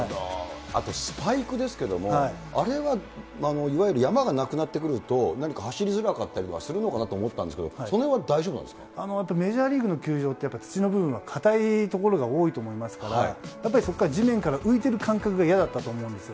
あとスパイクですけれども、あれはいわゆる山がなくなってくると、何か走りづらかったりとかするのかなと思ってたんですけど、やっぱりメジャーリーグの球場って、やっぱ土の部分は硬い所が多いと思いますから、やっぱりそこから、地面から浮いてる感覚が嫌だったと思うんですよ。